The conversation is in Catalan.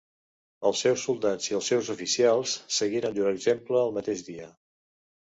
Els seus soldats i els seus oficials seguiren llur exemple el mateix dia.